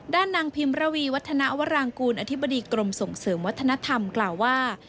ด้านนางพิมระวีวัฒนาวรางกูลอธิบดีกรมส่งเสริมวัฒนธรรมกล่าวว่า